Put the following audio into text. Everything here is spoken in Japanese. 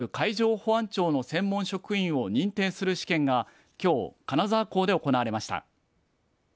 海難事故の救助に当たる海上保安庁の専門職員を認定する試験がきょう、金沢港で行われました。